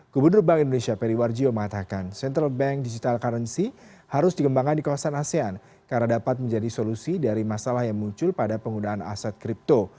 gubernur bank indonesia periwarjio mengatakan central bank digital currency harus dikembangkan di kawasan asean karena dapat menjadi solusi dari masalah yang muncul pada penggunaan aset kripto